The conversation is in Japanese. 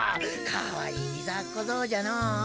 かわいいひざっこぞうじゃのう。